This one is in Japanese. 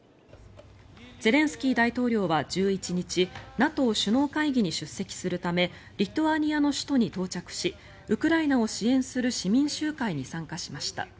ゼレンスキー大統領は１１日ＮＡＴＯ首脳会議に出席するためリトアニアの首都に到着しウクライナを支援する市民集会に参加しました。